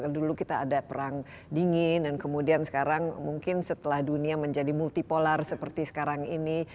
dulu kita ada perang dingin dan kemudian sekarang mungkin setelah dunia menjadi multipolar seperti sekarang ini